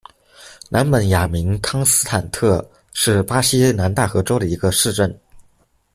南本雅明康斯坦特是巴西南大河州的一个市镇。